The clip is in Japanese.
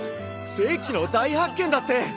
世紀の大発見だって！